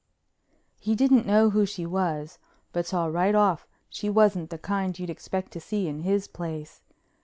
He didn't know who she was but saw right off she wasn't the kind that you'd expect to see in his place.